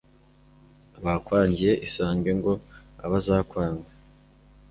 Bakwangiye isange Ngo abazakwanga